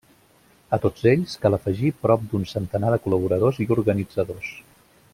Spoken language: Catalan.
A tots ells, cal afegir prop d’un centenar de col·laboradors i organitzadors.